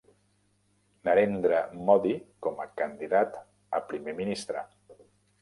Narendra Modi com a candidat a primer ministre.